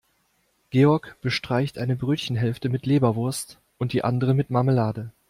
Georg bestreicht eine Brötchenhälfte mit Leberwurst und die andere mit Marmelade.